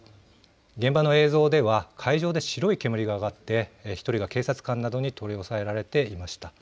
現場の映像では会場で白い煙が上がって１人が警察官などに取り押さえられていました。